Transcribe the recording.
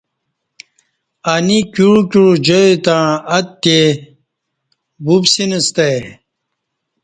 انی کیوع کیوع جائ تݩع اتہے ووپسنستہ ای